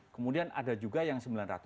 kemudian ada juga yang sembilan ratus